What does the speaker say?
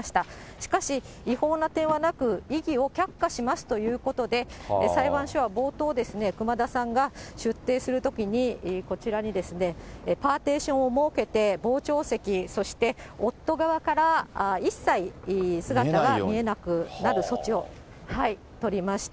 しかし、違法な点はなく、異議を却下しますということで、裁判所は冒頭、熊田さんが出廷するときに、こちらにパーティションを設けて、傍聴席、そして夫側から一切、姿が見えなくなる措置を取りました。